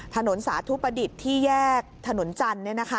สาธุประดิษฐ์ที่แยกถนนจันทร์